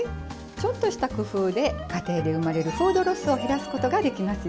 ちょっとした工夫で家庭で生まれるフードロスを減らすことができますよ。